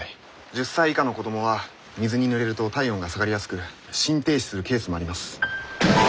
１０歳以下の子供は水にぬれると体温が下がりやすく心停止するケースもあります。